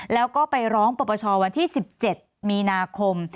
แล้วก็ไปร้องปรปชวันที่๑๗มีนาคม